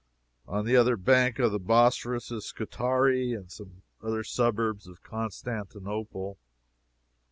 On the other bank of the Bosporus is Scutari and other suburbs of Constantinople.